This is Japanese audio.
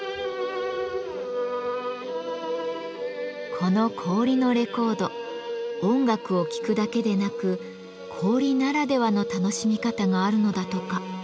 この氷のレコード音楽を聴くだけでなく氷ならではの楽しみ方があるのだとか。